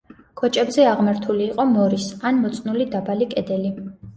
კოჭებზე აღმართული იყო მორის ან მოწნული დაბალი კედელი.